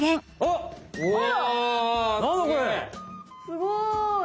すごい！